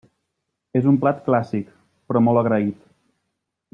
És un plat clàssic, però molt agraït.